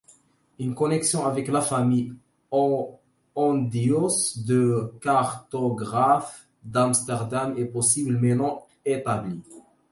Une connexion avec la famille Hondius de cartographes d'Amsterdam est possible mais non établie.